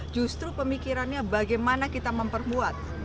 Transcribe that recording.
justru pemikirannya bagaimana kita memperbuat